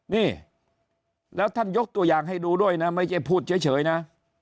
นี่แล้วท่านยกตัวอย่างให้ดูด้วยนะไม่ใช่พูดเฉยนะ